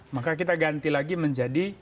maka kita ganti lagi menjadi